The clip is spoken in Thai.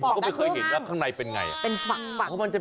กูก็ไม่เคยเห็นแล้วเป็นไง